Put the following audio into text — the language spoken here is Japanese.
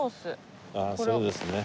ああそうですね。